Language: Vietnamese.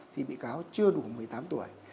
thì bị cáo chưa đủ một mươi tám tuổi